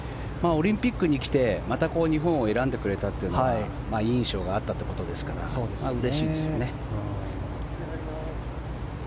オリンピックに来てまた日本を選んでくれたというのがいい印象があったということですからうれしいですよね。